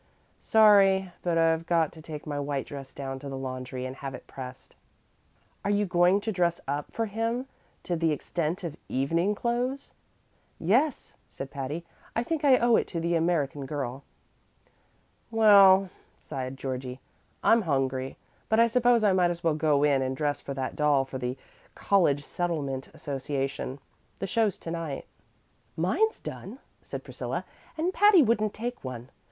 "Sorry, but I've got to take my white dress down to the laundry and have it pressed." "Are you going to dress up for him to the extent of evening clothes?" "Yes," said Patty; "I think I owe it to the American Girl." "Well," sighed Georgie, "I'm hungry, but I suppose I might as well go in and dress that doll for the College Settlement Association. The show's to night." "Mine's done," said Priscilla; "and Patty wouldn't take one.